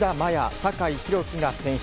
酒井宏樹が選出。